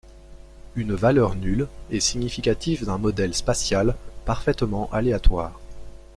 Une valeur nulle est significative d'un modèle spatial parfaitement aléatoire.